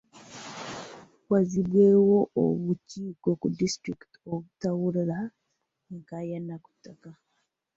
Wazzibwewo obukiiko ku disitulikiti obutawulula enkaayana ku ttaka.